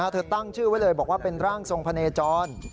เธอตั้งชื่อไว้เลยบอกว่าเป็นร่างทรงพะเนจร